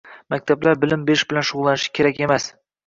Maktablar bilim berish bilan shug‘ullanishi kerak emas.